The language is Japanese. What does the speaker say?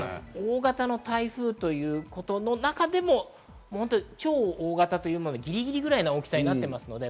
大型の台風ということの中でも超大型というので、ギリギリぐらいの大きさになっています。